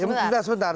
ya sudah sebentar